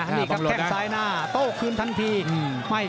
นี่ครับแค่งซ้ายหน้าโต้คืนทันที